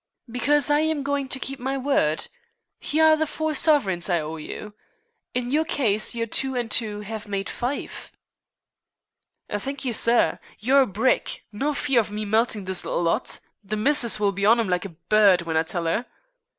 "Because I am going to keep my word. Here are the four sovereigns I owe you. In your case your two and two have made five." "Thank you, sir. You're a brick. No fear of me meltin' this little lot. The missus will be on 'em like a bird w'en I tell her."